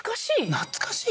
懐かしい？